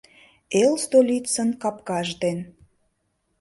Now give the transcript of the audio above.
Эл столицын капкаж ден